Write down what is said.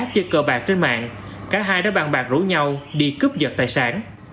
chơi cờ bạc trên mạng cả hai đã bàn bạc rủ nhau đi cướp dật tài sản